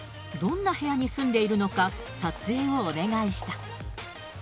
どんな部屋に住んでいるのか、撮影をお願いした。